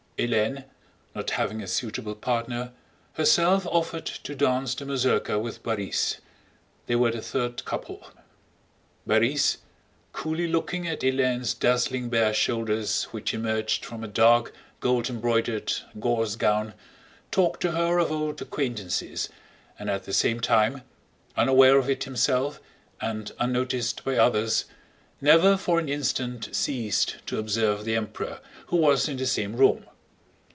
Hélène, not having a suitable partner, herself offered to dance the mazurka with Borís. They were the third couple. Borís, coolly looking at Hélène's dazzling bare shoulders which emerged from a dark, gold embroidered, gauze gown, talked to her of old acquaintances and at the same time, unaware of it himself and unnoticed by others, never for an instant ceased to observe the Emperor who was in the same room.